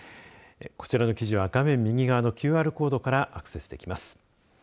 こちらの記事は画面右側のＱＲコードからアクセスできます。